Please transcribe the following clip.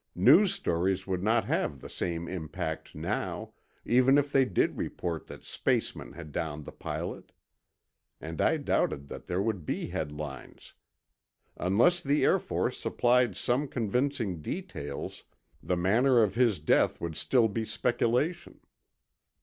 News stories would not have the same impact now, even if they did report that spacemen had downed the pilot. And I doubted that there would be headlines. Unless the Air Force supplied some convincing details, the manner of his death would still be speculation.